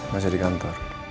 masih di kantor